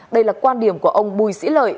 đây là quan điểm của ông bùi sĩ lợi